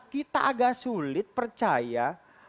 kita agak sulit percaya